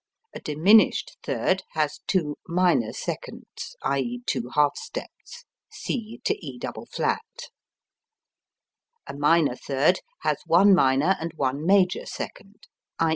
A diminished third has two minor seconds (i.e., two half steps). C E[double flat]. A minor third has one minor and one major second (_i.